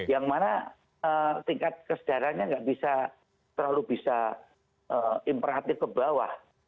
yang mana tingkat kesedarannya nggak bisa terlalu bisa imperatif ke bawah